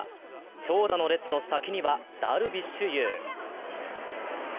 長蛇の列の先にはダルビッシュ有。